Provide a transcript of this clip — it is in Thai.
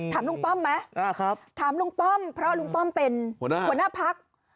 ถามลุงป้อมไหมถามลุงป้อมเพราะลุงป้อมเป็นหัวหน้าพัก